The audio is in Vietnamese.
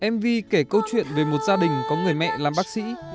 mv kể câu chuyện về một gia đình có người mẹ làm bác sĩ